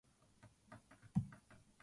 There was an air of refinement in both rooms.